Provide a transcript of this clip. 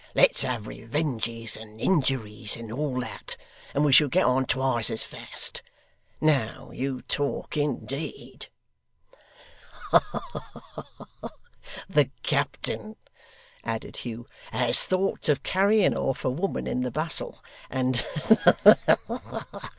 Let's have revenges and injuries, and all that, and we shall get on twice as fast. Now you talk, indeed!' 'Ha ha ha! The captain,' added Hugh, 'has thoughts of carrying off a woman in the bustle, and ha ha ha!